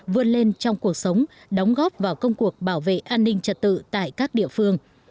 vươn lên trong cuộc sống đóng góp vào công cuộc bảo vệ an ninh trật tự tại các địa phương